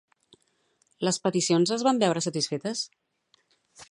Les peticions es van veure satisfetes?